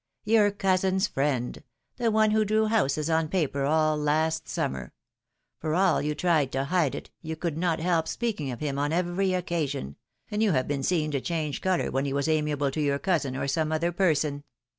Your cousin's friend — the one who drew houses on paper all last summer. For all you tried to hide it, PHILOM^JNE^S MARRIAGES. 299 you could not help speaking of him on every occasion, and you have been seen to change color when he was amiable to your cousin or some other person.